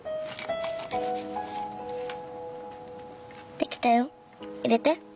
できたよ。入れて。